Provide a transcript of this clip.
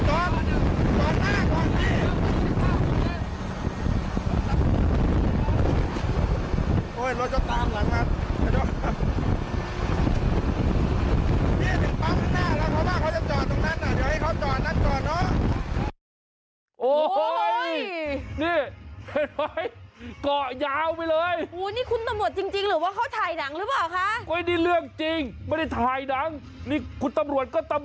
โอ้โหต้องเอาใจช่วยคุณตำรวจท่านนี้เรียกได้ว่าเกาะติดเกาะติดแน่นรากยาวไปเป็นหลายโลเลยทีเดียวครับ